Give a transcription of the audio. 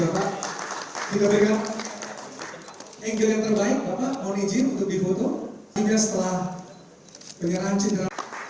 kita berikan yang terbaik apa mau dijiur untuk difoto hingga setelah penyerahan cinta